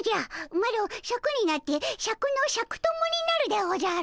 マロシャクになってシャクのシャク友になるでおじゃる。